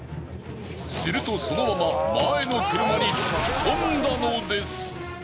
するとそのまま前の車に突っ込んだのです。